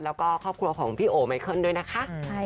แล้วก็ครอบครัวของพี่โอไมเคิลด้วยนะคะ